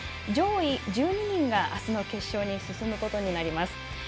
上位１２人があすの決勝に進むことになります。